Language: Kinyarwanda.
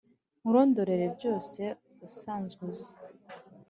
Nkurondorere byose usanzwe uzi